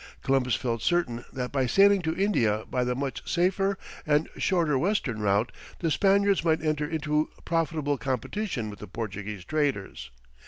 Columbus felt certain that by sailing to India by the much safer and shorter western route, the Spaniards might enter into profitable competition with the Portuguese traders.